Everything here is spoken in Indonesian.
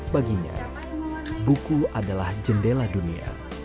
baginya buku adalah jendela dunia